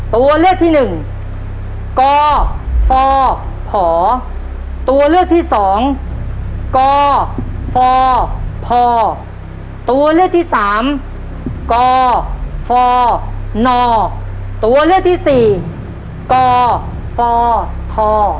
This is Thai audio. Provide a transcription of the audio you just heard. ตัวเลือกที่หนึ่งกฟผตัวเลือกที่สองกฟพตัวเลือกที่สามกฟนตัวเลือกที่สี่กฟท